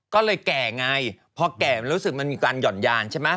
ก็เลยแก่ไงพอแก่มันรู้สึกมันมีการหย่อนยานใช่ไหม